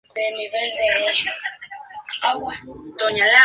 Luego estudió Pedagogía de Educación Física en la Universidad de Concepción.